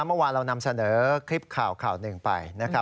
เมื่อวานเรานำเสนอคลิปข่าวข่าวหนึ่งไปนะครับ